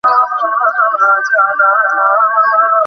আরও একটা ঘটনা মনে আছে।